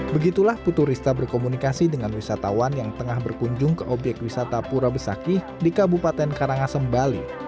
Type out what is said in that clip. begitulah putu rista berkomunikasi dengan wisatawan yang tengah berkunjung ke obyek wisata pura besakih di kabupaten karangasem bali